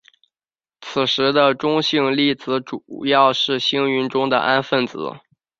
此时的中性粒子主要是星云中的氢分子。